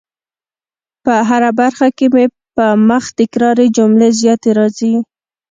په هره برخه کي مي په مخ تکراري جملې زیاتې راځي